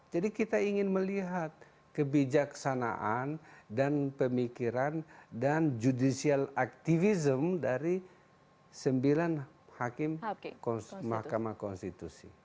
jadi kita ingin melihat kebijaksanaan dan pemikiran dan judicial activism dari sembilan hakim mahkamah konstitusi